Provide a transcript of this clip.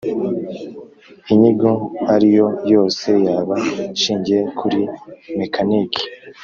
Inyigo ari yo yose yaba ishingiye kuri mekanike